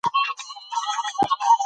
کاردستي د ذهن، سترګو او لاسونو همغږي ده.